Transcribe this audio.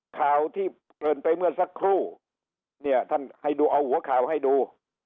ข่าวที่เกินไปเมื่อสักครู่เนี่ยท่านให้ดูเอาหัวข่าวให้ดู